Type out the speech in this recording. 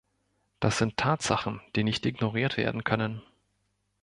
Das sind Tatsachen, die nicht ignoriert werden können.